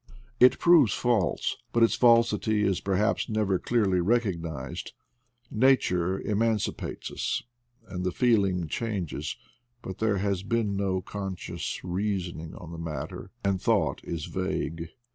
It proves false, but its falsity is per haps never clearly recognized; nature emanci pates us and the feeling changes, but there has been no conscious reasoning on the matter, and thought is vague.